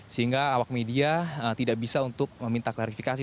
sehingga awak media tidak bisa untuk meminta klarifikasi